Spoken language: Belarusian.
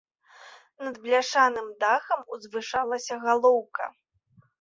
Над бляшаным дахам узвышалася галоўка.